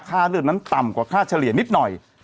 ค่าเลือดนั้นต่ำกว่าค่าเฉลี่ยนิดหน่อย